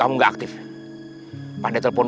karena berani ibu misalnya sama teman